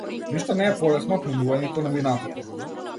Ништо не е полесно од менувањето на минатото.